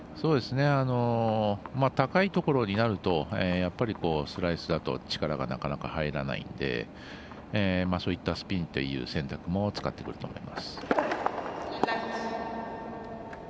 高いところになるとやっぱりスライスだと力がなかなか入らないのでそういったスピンという選択も使ってくると思います。